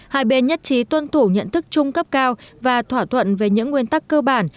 hai bên nhất trí tuân thủ nhận thức chung cấp cao và thỏa thuận về những nguyên tắc cơ bản